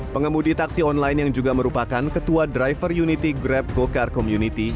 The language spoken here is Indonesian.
pengemudi taksi online yang juga merupakan ketua driver unity grab go car community